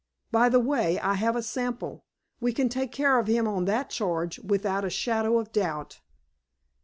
By the way, I have a sample. We can take care of him on that charge, without a shadow of doubt."